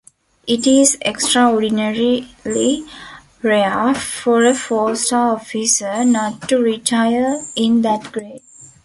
It is extraordinarily rare for a four-star officer not to retire in that grade.